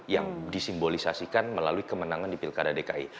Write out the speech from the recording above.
yang disimbolisasikan melalui kemenangan di pilkada dari pan